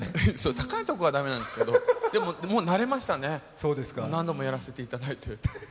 高いところがだめなんですけど、でももう慣れましたね、何度もやらせていただいて。